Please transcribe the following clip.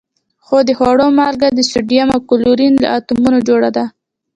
هو د خوړلو مالګه د سوډیم او کلورین له اتومونو جوړه ده